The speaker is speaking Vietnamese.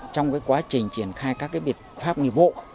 trong quá trình triển khai các biệt pháp nghiệp vụ